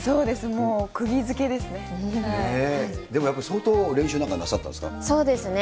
もう、くぎづけででもやっぱり相当練習なんかそうですね。